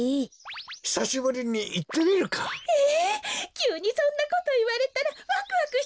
きゅうにそんなこといわれたらワクワクしちゃいますよ。